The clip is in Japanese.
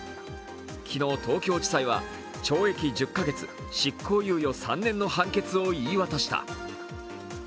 昨日、東京地裁は懲役１０カ月、執行猶予３年の判決を言い渡した。